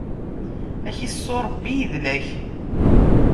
Ad ak-issu, Ṛebbi idel-ak!